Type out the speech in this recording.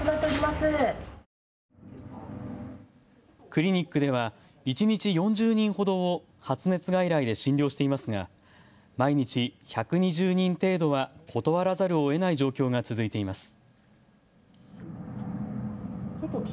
クリニックでは一日４０人ほどを発熱外来で診療していますが毎日１２０人程度は断らざるをえない状況が続いています。